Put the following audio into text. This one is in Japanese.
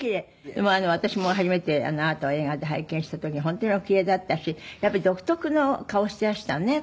でも私も初めてあなたを映画で拝見した時本当にお奇麗だったしやっぱり独特の顔をしていらしたのねやっぱり。